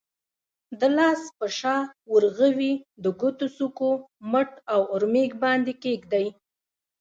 د لاس په شا، ورغوي، د ګوتو څوکو، مټ او اورمیږ باندې کېږدئ.